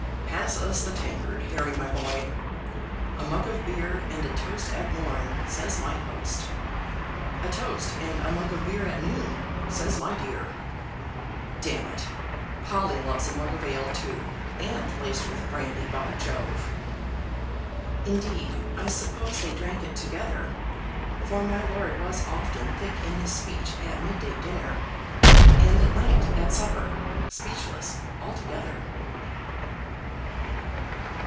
Pass us the tankard, Harry my boy. A mug of beer and a toast at morn, says my host. A toast and a mug of beer at noon, says my dear. D n it, Polly loves a mug of ale, too, and laced with brandy, by Jove!" Indeed, I suppose they drank it together; for my lord was often thick in his speech at mid day dinner; and at night at supper, speechless altogether.